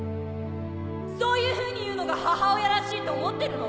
そういうふうに言うのが母親らしいと思ってるの⁉